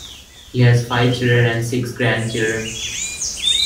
He has five children and six grandchildren.